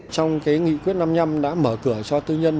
trong nghị quyết năm nhăm đã mở cửa cho tư nhân